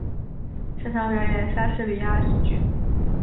擅长表演莎士比亚戏剧。